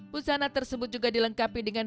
busana tersebut juga dilengkapi dengan